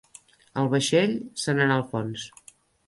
El vaixell se n'anà al fons.